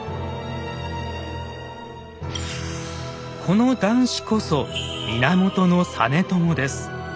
この男子こそ源実朝です。